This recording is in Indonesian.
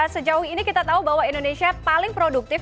sejauh ini kita tahu bahwa indonesia paling produktif